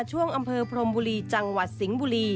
ช่วงอำเภอพรมบุรีจังหวัดสิงห์บุรี